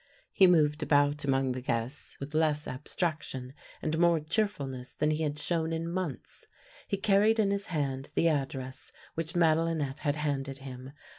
He moved about among the guests with less abstraction and more cheerfulness than he had shown in months. He carried in his hand the address which Madelinette had handed him.